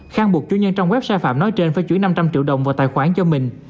khang buộc chủ nhân trong website phạm nói trên phải chuyển năm trăm linh triệu đồng vào tài khoản cho mình